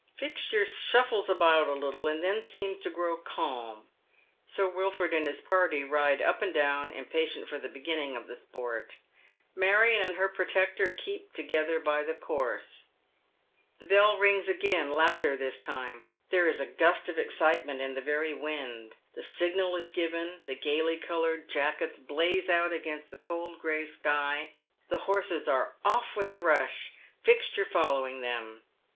Fixture shuffles about a little, and then seems to grow calm. Sir Wilford and his party ride up and down, impatient for the beginning of the sport. Marion and her protector keep together by the course. The bell rings again, louder this time. There is a gust of ex citement in the very wind. The signal is given, the gaily coloured jackets blaze out against the cold gray sky, the horses are oi£ with a rush — Fixture following them.